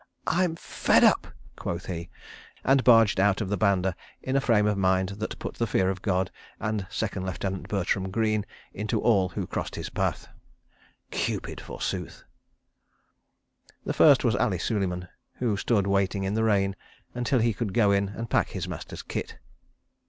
"I'm fed up!" quoth he, and barged out of the banda in a frame of mind that put the Fear of God and Second Lieutenant Bertram Greene into all who crossed his path. ... (Cupid forsooth!) The first was Ali Suleiman, who stood waiting in the rain, until he could go in and pack his master's kit.